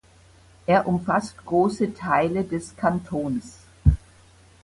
Er umfasst grosse Teile des Kantons.